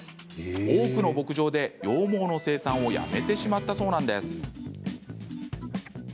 多くの牧場で、羊毛の生産をやめてしまったそうなんです。